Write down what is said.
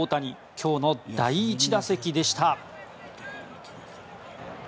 今日の第１打席でした。